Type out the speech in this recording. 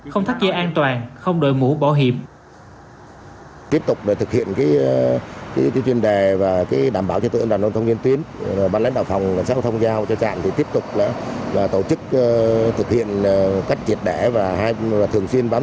không thắt dây an toàn không đổi mũ bảo hiểm